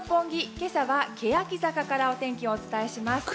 今朝はけやき坂からお天気をお伝えします。